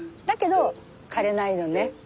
だけど枯れないのね。